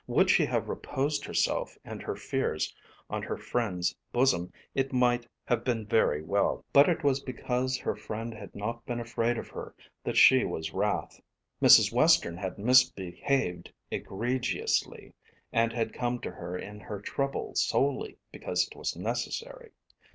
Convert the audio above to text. Would she have reposed herself and her fears on her friend's bosom it might have been very well. But it was because her friend had not been afraid of her that she was wrath. Mrs. Western had misbehaved egregiously, and had come to her in her trouble solely because it was necessary.